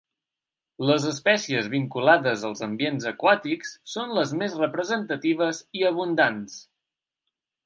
Les espècies vinculades als ambients aquàtics són les més representatives i abundants.